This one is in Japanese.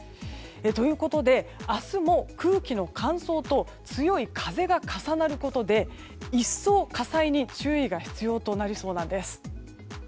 ということで明日も空気の乾燥と強い風が重なることで一層、火災に注意が必要となりそうなんです。